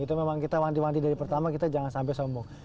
itu memang kita wanti wanti dari pertama kita jangan sampai sombong